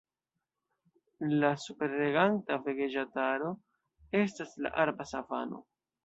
La superreganta vegetaĵaro estas la arba savano.